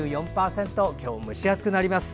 今日も蒸し暑くなります。